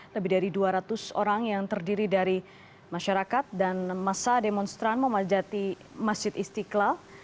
lebih dari dua ratus orang yang terdiri dari masyarakat dan masa demonstran memadati masjid istiqlal